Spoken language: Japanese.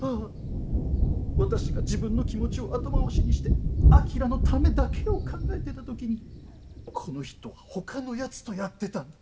ああ私が自分の気持ちを後回しにして晶のためだけを考えてたときにこの人は他のやつとやってたんだ。